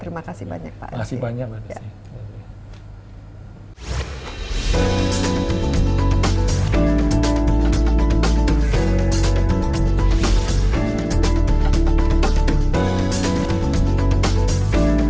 terima kasih banyak pak